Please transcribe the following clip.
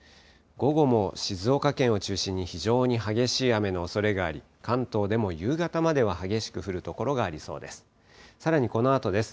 午後も静岡県を中心に、非常に激しい雨のおそれがあり、関東でも夕方までは激しく降る所がありそうです。